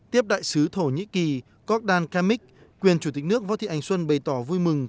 tiếp đại sứ thổ nhĩ kỳ cokdan kamik quyền chủ tịch nước võ thị ánh xuân bày tỏ vui mừng